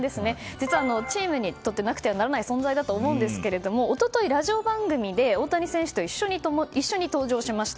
実はチームにとってなくてはならない存在だと思うんですが一昨日、ラジオ番組で大谷選手と一緒に登場しました。